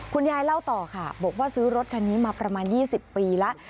เล่าต่อค่ะบอกว่าซื้อรถคันนี้มาประมาณ๒๐ปีแล้ว